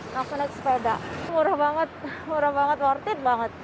nontonin sepeda murah banget murah banget worth it banget